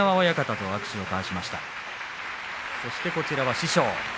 そして、こちらは師匠です。